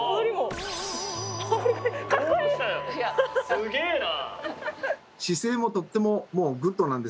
すげえな！